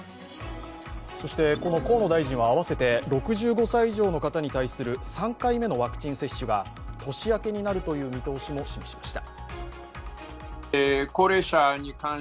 河野大臣は併せて、６５歳以上の方に対する３回目のワクチン接種が年明けになるという見通しも示しました。